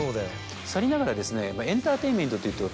さりながらですね。